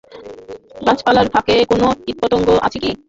গাছপালার ফাঁকে কোনো কীটপতঙ্গ আছে কি?